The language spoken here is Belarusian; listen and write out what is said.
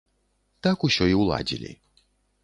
Так усё і ўладзілі.